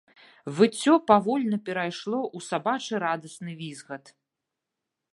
Выццё павольна перайшло ў сабачы радасны візгат.